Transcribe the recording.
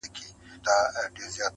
پروت کلچه وهلی پرې ښامار د نا پوهۍ کنې,